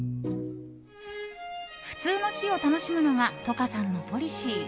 普通の日を楽しむのがｔｏｋａさんのポリシー。